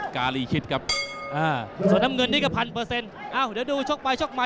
การีคิดครับอ่าส่วนน้ำเงินนี้ก็พันเปอร์เซ็นต์อ้าวเดี๋ยวดูชกไปชกมา